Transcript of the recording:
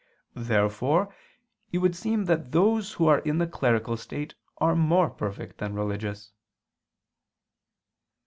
Therefore it would seem that those who are in the clerical state are more perfect than religious.